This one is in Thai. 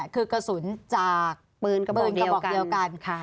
คือกระสุนจากปืนกระบอกเดียวกัน